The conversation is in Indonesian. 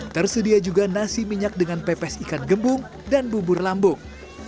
tersedia juga nasi minyak dengan pepes ikan gembung dan bubur lambung